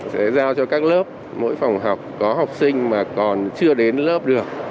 sẽ giao cho các lớp mỗi phòng học có học sinh mà còn chưa đến lớp được